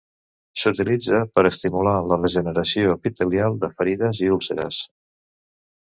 S'utilitza per a estimular la regeneració epitelial de ferides i úlceres.